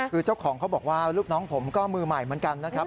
คือเจ้าของเขาบอกว่าลูกน้องผมก็มือใหม่เหมือนกันนะครับ